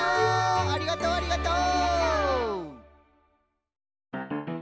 ありがとうありがとう！